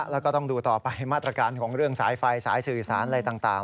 แล้วก็ต้องดูต่อไปมาตรการของเรื่องสายไฟสายสื่อสารอะไรต่าง